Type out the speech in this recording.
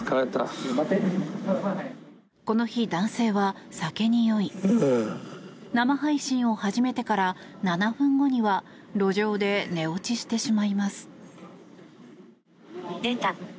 この日、男性は酒に酔い生配信を始めてから７分後には路上で寝落ちしてしまいます。